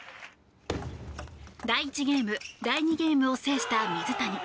第１ゲーム、第２ゲームを制した水谷。